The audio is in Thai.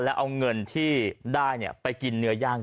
แล้วเอาเงินที่ได้เนี่ยไปกินเนื้อย่างกัน